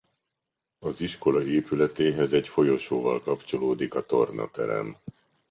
Az iskola épületéhez egy folyosóval kapcsolódik a tornaterem.